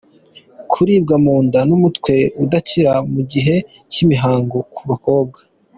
Kuribwa mu nda n’umutwe udakira mu gihe cy’imihango ku bakobwa.